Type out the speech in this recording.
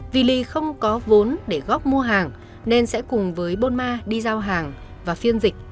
vì ly không có vốn để góp mua hàng nên sẽ cùng với bôn ma đi giao hàng và phiên dịch